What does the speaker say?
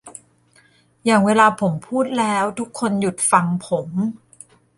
อย่างเวลาผมพูดแล้วทุกคนหยุดฟังผม